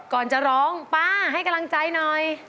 ก่อนจะร้องป้าให้กำลังใจหน่อย